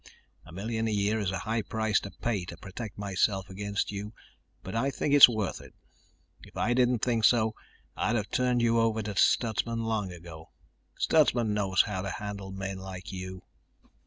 A million a year is a high price to pay to protect myself against you, but I think it's worth it. If I didn't think so, I'd have turned you over to Stutsman long ago. Stutsman knows how to handle men like you."